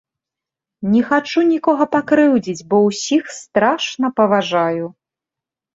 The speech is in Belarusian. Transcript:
Не хачу нікога пакрыўдзіць, бо ўсіх страшна паважаю!